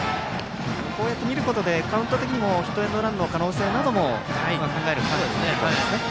こうやって見ることでカウント的にもヒットエンドランの可能性も考える必要がありますね。